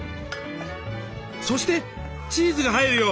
そしてチーズが入るよ。